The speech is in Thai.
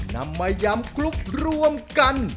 นำมายำคลุกรวมกัน